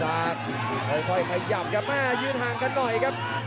พนักสักค่อยขยับครับยืนห่างกันหน่อยครับ